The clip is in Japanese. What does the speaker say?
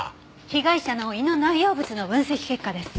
被害者の胃の内容物の分析結果です。